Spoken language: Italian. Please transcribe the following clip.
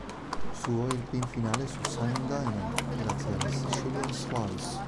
Suo è il pin finale su Simon Diamond grazie alla Sicilian Slice.